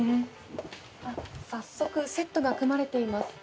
早速セットが組まれています。